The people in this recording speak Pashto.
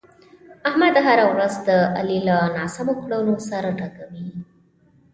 احمد هره ورځ د علي له ناسمو کړنو سر ټکوي.